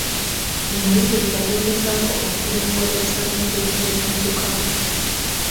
Nayimirira ne ngezaako okulowoolereza engeri gye nnaddukamu.